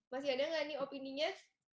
masih ada gak nih opini nya